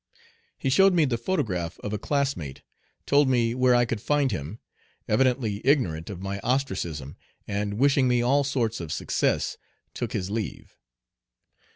He showed me the photograph of a classmate, told me where I could find him, evidently ignorant of my ostracism, and, wishing me all sorts of success, took his leave.